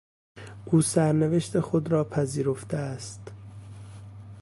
او سرنوشت خود را پذیرفته است.